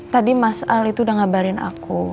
tadi mas al itu udah ngabarin aku